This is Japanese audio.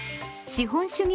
資本主義